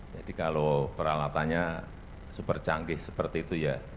jadi kalau peralatannya super canggih seperti itu ya